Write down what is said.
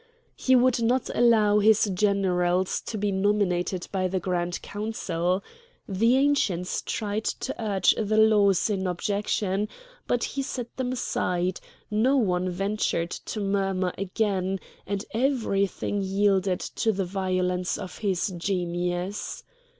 He would not allow his generals to be nominated by the Grand Council. The Ancients tried to urge the laws in objection, but he set them aside; no one ventured to murmur again, and everything yielded to the violence of his genius.